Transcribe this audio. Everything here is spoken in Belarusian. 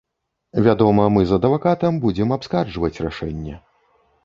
Вядома, мы з адвакатам будзем абскарджваць рашэнне.